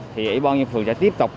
thì bộ nhân phường sẽ tiếp tục